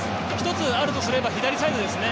１つ、あるとすれば左サイドですね。